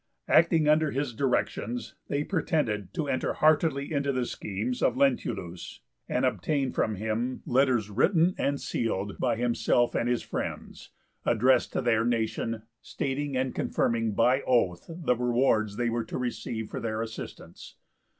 Acting under his directions they pretended to enter heartily into the schemes of Lentulus, and obtained from him letters written and sealed by himself and his friends, addressed to their nation, stating and confirming by oath the rewards they were to receive for their assistance.